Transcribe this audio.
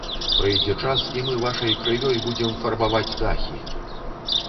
Прыйдзе час, і мы вашай крывёй будзем фарбаваць дахі.